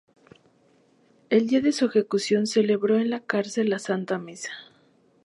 El día de su ejecución celebró en la cárcel la santa misa.